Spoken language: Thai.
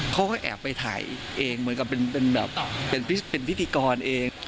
เขาก็แอบไปถ่ายเองเหมือนกับเป็นแบบเป็นพิธีกรเอง